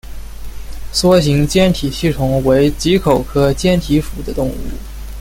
梭形坚体吸虫为棘口科坚体属的动物。